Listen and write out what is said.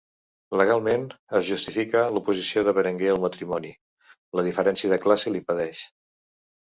Legalment, es justifica l'oposició de Berenguer al matrimoni: la diferència de classe l'impedeix.